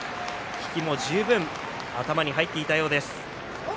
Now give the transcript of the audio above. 引きも十分頭に入っていたようです。